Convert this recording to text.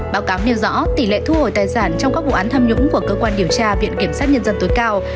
báo cáo nêu rõ tỷ lệ thu hồi tài sản trong các vụ án tham nhũng của cơ quan điều tra viện kiểm sát nhân dân tối cao